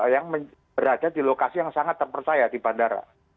yang berada di lokasi yang sangat terpercaya di bandara